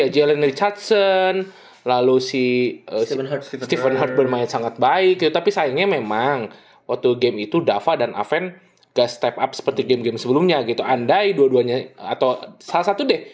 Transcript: jalen richardson lalu si steven hartburn main sangat baik gitu tapi sayangnya memang waktu game itu dava dan aven nggak step up seperti game game sebelumnya gitu andai dua duanya atau salah satu deh